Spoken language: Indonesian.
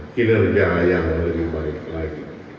kinerja yang lebih baik lagi